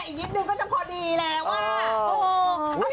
อีกนิดนึงก็จะพอดีแล้วอ่ะ